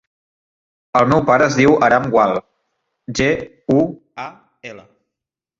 El meu pare es diu Aram Gual: ge, u, a, ela.